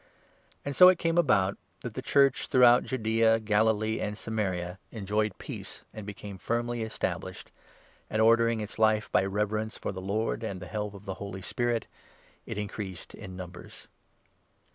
And so it came about that the Church, throughout Judaea, 31 Galilee, and Samaria, enjoyed peace and became firmly estab lished ; and, ordering its life by reverence for the Lord and the help of the Holy Spirit, it increased in numbers.